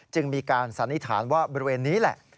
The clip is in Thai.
มีการสันนิษฐานว่าบริเวณนี้แหละ